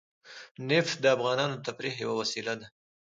نفت د افغانانو د تفریح یوه وسیله ده.